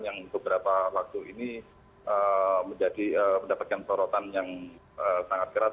yang beberapa waktu ini mendapatkan sorotan yang sangat keras